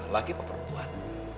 lagi apa perempuan